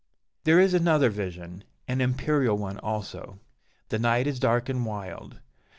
There is another vision, an imperial one also. The night is dark and wild.